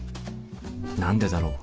何でだろう？